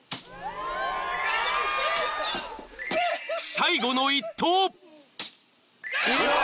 ［最後の１投］